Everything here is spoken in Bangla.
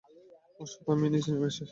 অশ্ব থামিয়ে নিচে নেমে আস।